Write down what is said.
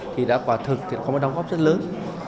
thì đã quả thực thì có một đóng góp rất lớn